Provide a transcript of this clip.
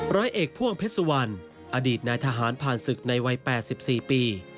ร้อยเอกพ่วงเพชรสุวรรณอดีตนายทหารผ่านศึกในวัย๘๔ปี